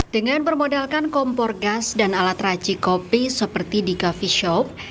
dengan bermodalkan kompor gas dan alat raci kopi seperti di coffee shop